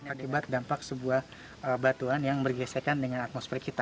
akibat dampak sebuah batuan yang bergesekan dengan atmosfer kita